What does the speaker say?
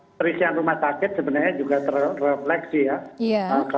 perisian rumah sakit sebenarnya juga terefleksi ya